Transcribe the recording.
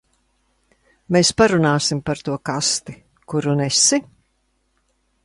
Mēs parunāsim par to kasti, kuru nesi?